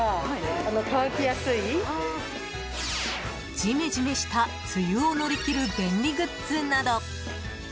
ジメジメした梅雨を乗り切る便利グッズなど。